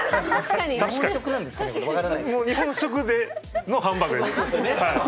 日本食のハンバーグです。